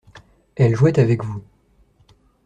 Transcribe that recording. Elle jouait avec vous.